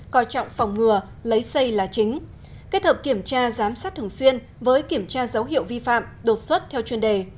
coi trọng phòng ngừa lấy xây là chính kết hợp kiểm tra giám sát thường xuyên với kiểm tra dấu hiệu vi phạm đột xuất theo chuyên đề